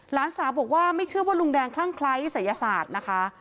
หลานสาวบอกว่าไม่เชื่อว่าลุงแดงคลั่งไคร้ศัยศาสตร์นะคะ